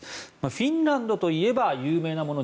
フィンランドといえば有名なもの